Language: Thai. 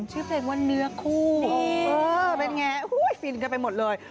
ชื่อเพลงว่าเนื้อคู่นี่เออเป็นไงฮู้ยฟินกันไปหมดเลย